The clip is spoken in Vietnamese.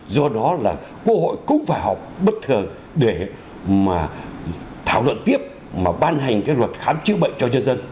do đó là quốc hội cũng phải học bất thường để mà thảo luận tiếp mà ban hành cái luật khám chứa bệnh cho dân dân